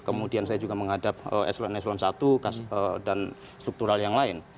kemudian saya juga menghadap s satu dan struktural yang lain